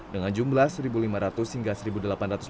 dengan jumlah satu lima ratus hingga satu delapan ratus penerbangan